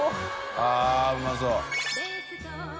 あぁうまそう。